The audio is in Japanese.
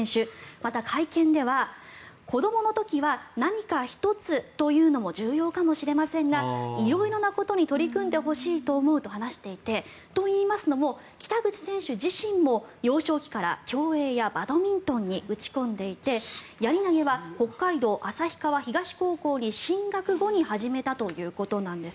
また会見では、子どもの時はなにか１つというのも重要かもしれませんが色々なことに取り組んでほしいと思うと話していてといいますのも北口選手自身も幼少期から競泳やバドミントンに打ち込んでいてやり投は北海道旭川東高校に進学後に始めたということなんです。